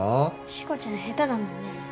しこちゃん下手だもんね。